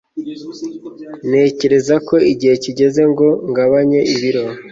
ntekereza ko igihe kigeze ngo ngabanye ibiro